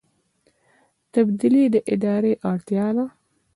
تبدیلي د ادارې اړتیا ده